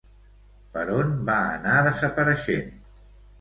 Per on va anar desapareixent?